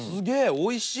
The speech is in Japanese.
おいしい！